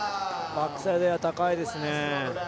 バックサイドエア、高いですね。